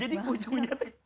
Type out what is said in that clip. jadi ujungnya tuh